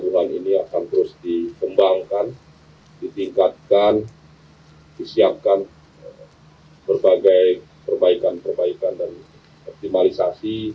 kebutuhan ini akan terus dikembangkan ditingkatkan disiapkan berbagai perbaikan perbaikan dan optimalisasi